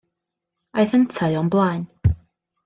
Aeth yntau o'm blaen.